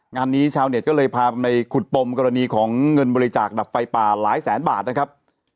งานนี้ชาวเน็ตก็เลยพาไปขุดปมกรณีของเงินบริจาคดับไฟป่าหลายแสนบาทนะครับ